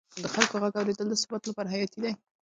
د خلکو غږ اورېدل د ثبات لپاره حیاتي دی